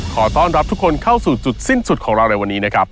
ขอต้อนรับทุกคนเข้าสู่จุดสิ้นสุดของเราในวันนี้นะครับ